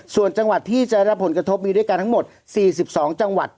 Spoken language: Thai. ส่วนจังหวัดที่จะรับผลกระทบมีด้วยกันทั้งหมด๔๒จังหวัด